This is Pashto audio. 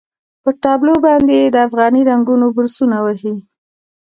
پر تابلو باندې یې د افغاني رنګونو برسونه وهي.